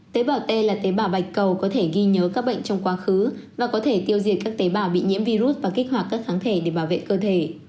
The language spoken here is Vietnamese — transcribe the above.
tế bảo t là tế bào bạch cầu có thể ghi nhớ các bệnh trong quá khứ và có thể tiêu diệt các tế bào bị nhiễm virus và kích hoạt các kháng thể để bảo vệ cơ thể